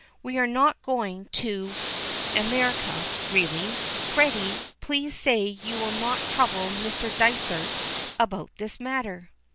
We are not going to America, really. Freddy, please say you will not trouble Mr. Dysart about this matter."